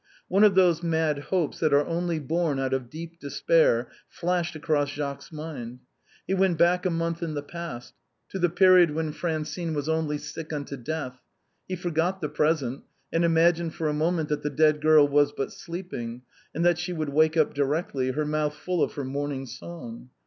One of those mad hopes that are only born out of deep despair flashed across Jacques's mind. He went back a month in the past — to the period when Francine was only sick unto death; he forgot the present, and imagined for a moment that the dead girl was but sleeping, and that she would wake up directly, her mouth full of her morn ing song.